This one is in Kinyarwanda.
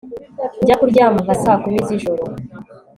Njya kuryama nka saa kumi zijoro